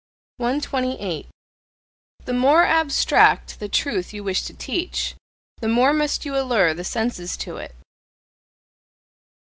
128. The more abstract the truth you wish to teach, the more must you allure the senses to it.